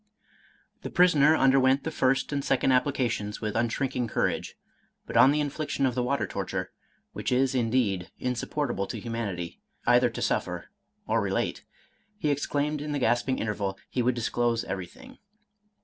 The prisoner underwent the first and second applications with unshrinking courage, but on the infliction of the water torture, which is indeed insupportable to humanity, either to suffer or relate, he exclaimed in the gasping interval, he would disclose everything.